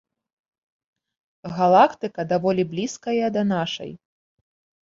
Галактыка даволі блізкая да нашай.